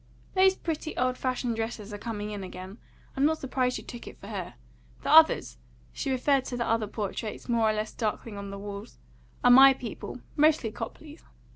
"Those pretty old fashioned dresses are coming in again. I'm not surprised you took it for her. The others" she referred to the other portraits more or less darkling on the walls "are my people; mostly Copleys."